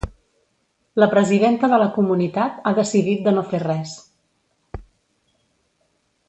La presidenta de la comunitat ha decidit de no fer res.